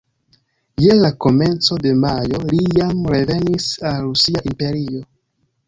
Je la komenco de majo, li jam revenis al Rusia imperio.